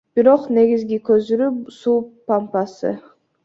Бирок негизги көзүрү – суу помпасы.